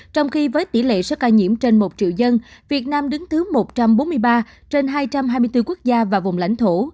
trong khi với tỷ lệ số ca nhiễm trên một triệu dân việt nam đứng thứ một trăm bốn mươi ba trên hai trăm hai mươi bốn quốc gia và vùng lãnh thổ